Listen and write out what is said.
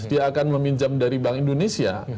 dia akan meminjam dari bank indonesia